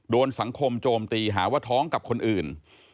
โดนสังคมโจมตีหาว่าท้องกับคนอื่น